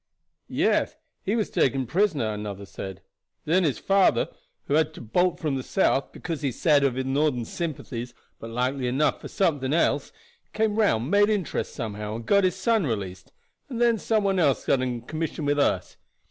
"Yes, he was taken prisoner," another said. "Then his father, who had to bolt from the South, because, he said, of his Northern sympathies, but likely enough for something else, came round, made interest somehow and got his son released, and then some one else got him a commission with us.